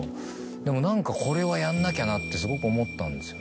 でも何かこれはやんなきゃなってすごく思ったんですよね。